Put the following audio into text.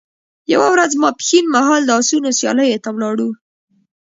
یوه ورځ ماپښین مهال د اسونو سیالیو ته ولاړو.